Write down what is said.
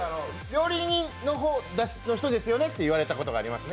料理人の人ですよね？って言われたことあります。